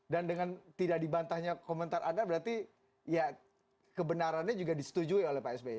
dan dengan tidak dibantahnya komentar anda berarti ya kebenarannya juga disetujui oleh pak sby